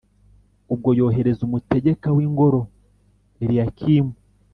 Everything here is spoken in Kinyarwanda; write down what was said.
Ubwo yohereza umutegeka w’ingoro Eliyakimu,